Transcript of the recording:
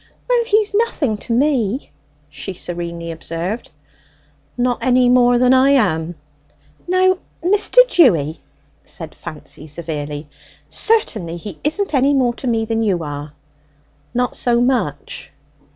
"Well, he's nothing to me," she serenely observed. "Not any more than I am?" "Now, Mr. Dewy," said Fancy severely, "certainly he isn't any more to me than you are!" "Not so much?"